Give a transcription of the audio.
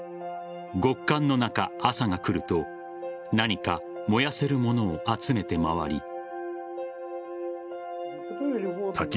極寒の中、朝が来ると何か燃やせるものを集めて回り。